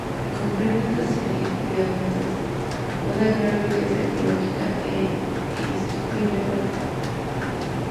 Comprende una serie de hábitats de una gran riqueza ecológica e insustituible valor.